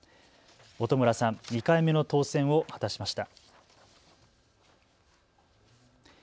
本村さん、２回目の当選を果たしました。